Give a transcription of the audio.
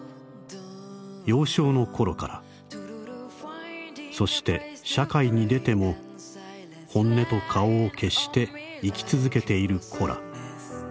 幼少の頃からそして社会に出ても本音と顔を消して生き続けている子ら。